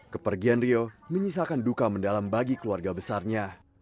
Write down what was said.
kepergian rio menyisakan duka mendalam bagi keluarga besarnya